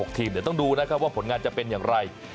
ทีมเดี๋ยวต้องดูนะครับว่าผลงานจะเป็นอย่างไร